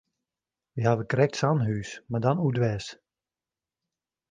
Wy hawwe krekt sa'n hús, mar dan oerdwers.